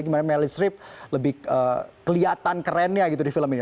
gimana melis rip lebih kelihatan kerennya gitu di film ini